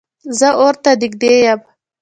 زه اور ته نږدې یم